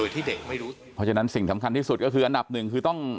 เพราะฉะนั้นสิ่งทำคัญที่สุดก็คืออันดับหนึ่งคือต้อง